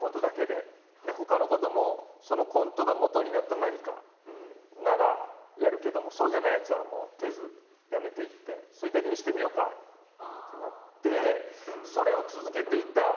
でほかのこともそのコントがもとになった何かならやるけどもそうじゃないやつはもうとりあえずやめていってそれだけにしてみようかってなって。